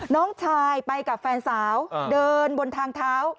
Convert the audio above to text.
น้องชายไปกับแฟนสาวเดินบนทางเท้า